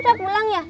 kiki udah pulang ya